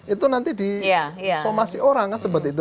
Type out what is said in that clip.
itu nanti disomasi orang kan seperti itu